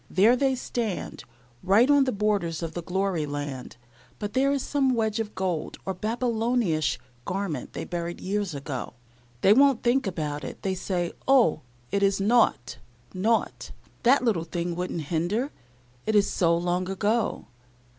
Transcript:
There they stand, right on the borders of the glory land, but there is some wedge of gold, or Babylonish garment that they buried years ago. They won't think about it. They say, "Oh, it is nought, nought! That little thing would not hinder, it is so long ago."